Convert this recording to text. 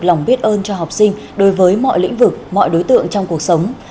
lòng biết ơn cho học sinh đối với mọi lĩnh vực mọi đối tượng trong cuộc sống